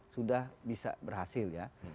sudah bisa berhasil ya